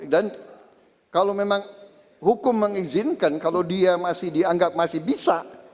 dan kalau memang hukum mengizinkan kalau dia masih dianggap masih bisa